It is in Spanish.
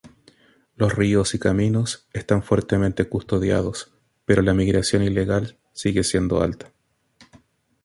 Los ríos y caminos están fuertemente custodiados pero la migración ilegal sigue siendo alta.